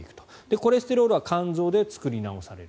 コレステロールは肝臓で作り直される。